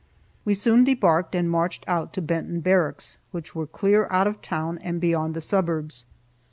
We soon debarked, and marched out to Benton Barracks, which were clear out of town and beyond the suburbs.